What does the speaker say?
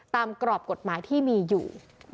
กรอบกฎหมายที่มีอยู่